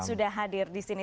sudah hadir di sini